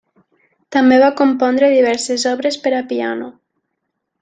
També va compondre diverses obres per a piano.